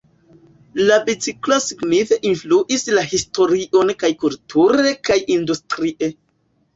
La biciklo signife influis la historion kaj kulture kaj industrie.